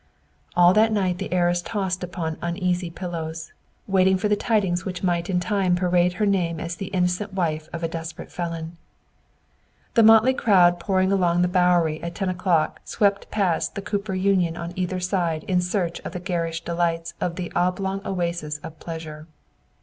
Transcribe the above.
All that night the heiress tossed upon uneasy pillows, waiting for the tidings which might in time parade her name as the innocent wife of a desperate felon. The motley crowd pouring along the Bowery at ten o'clock swept past the Cooper Union on either side in search of the garish delights of the oblong oasis of pleasure.